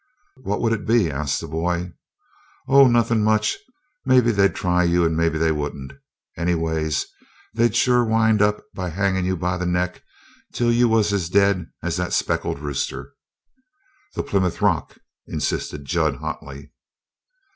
"What would it be?" asked the boy. "Oh, nothin' much. Maybe they'd try you and maybe they wouldn't. Anyways, they'd sure wind up by hangin' you by the neck till you was as dead as the speckled rooster." "The Plymouth Rock," insisted Jud hotly.